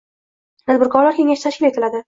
Tadbirkorlar kengashi tashkil etiladi.